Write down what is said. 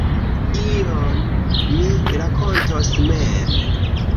Ion mi rakontos mem.